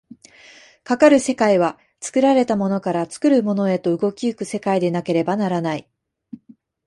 かかる世界は作られたものから作るものへと動き行く世界でなければならない。